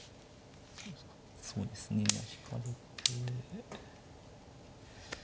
そうですね。引かれて。